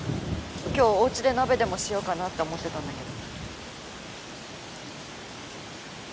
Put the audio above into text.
今日お家で鍋でもしようかなって思ってたんだけど。